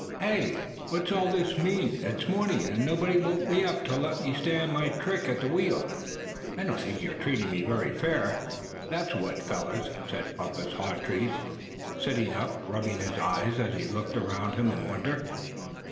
"HEY! what's all this mean; morning, and nobody woke me up, to let me stand my trick at the wheel! I don't think you're treatin' me fair, that's what, fellers!" and Bumpus Hawtree sat up, rubbing his eyes as he looked around him in wonder.